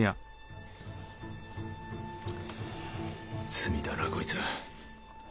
罪だなこいつは。